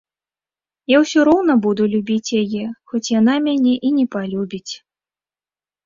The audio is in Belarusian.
Я ўсё роўна буду любіць яе, хоць яна мяне і не палюбіць.